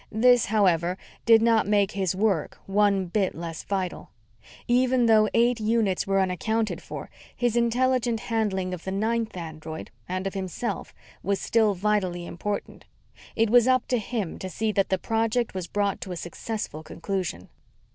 This, however, did not make his work one bit less vital. Even though eight units were unaccounted for, his intelligent handling of the ninth android, and of himself, was still vitally important. It was up to him to see that the project was brought to a successful conclusion.